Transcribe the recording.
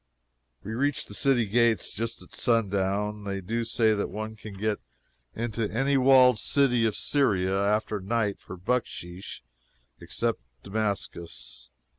We reached the city gates just at sundown. They do say that one can get into any walled city of Syria, after night, for bucksheesh, except Damascus.